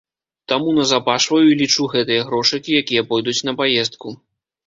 Таму назапашваю і лічу гэтыя грошыкі, якія пойдуць на паездку.